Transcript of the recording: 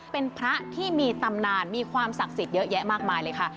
เป็นพระที่มีตำนานมีความศักดิ์สิทธิ์เยอะแยะมากมายเลยค่ะ